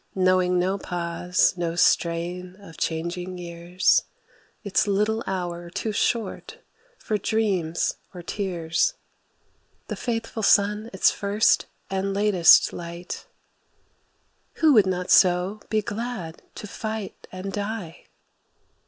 Knowing no pause, no strain of changing years, Its little hour too short for dreams or tears, The faithful sun its first and latest light Who would not so be glad to fight and die!